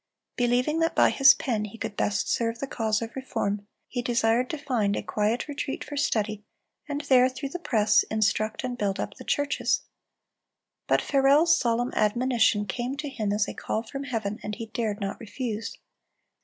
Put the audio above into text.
Believing that by his pen he could best serve the cause of reform, he desired to find a quiet retreat for study, and there, through the press, instruct and build up the churches. But Farel's solemn admonition came to him as a call from heaven, and he dared not refuse.